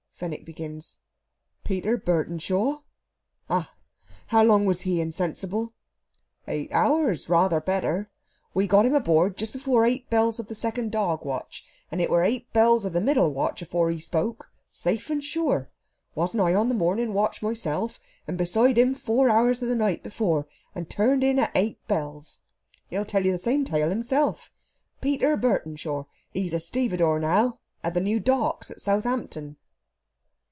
Fenwick begins. "Peter Burtenshaw?" "Ah! How long was he insensible?" "Eight hours rather better! We got him aboard just before eight bells of the second dog watch, and it was eight bells of the middle watch afore he spoke. Safe and sure! Wasn't I on the morning watch myself, and beside him four hours of the night before, and turned in at eight bells? He'll tell you the same tale himself. Peter Burtenshaw he's a stevedore now, at the new docks at Southampton."